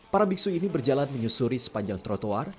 para biksu ini berjalan menyusuri sepanjang trotoar